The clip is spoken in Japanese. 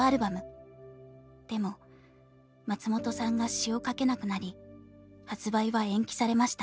でも松本さんが詞を書けなくなり発売は延期されました。